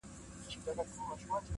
غځیدلی سړک د علی بابا زيارت ته